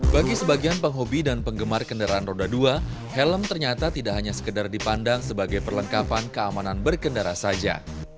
bagi sebagian penghobi dan penggemar kendaraan roda dua helm ternyata tidak hanya sekedar dipandang sebagai perlengkapan keamanan berkendara saja